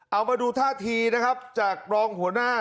เอามาดูท่าทีนะครับจากรองหัวหน้า